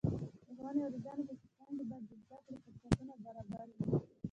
د ښوونې او روزنې په سیستم کې باید د زده کړو فرصتونه برابره وي.